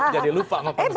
jadi lupa ngomong sehatnya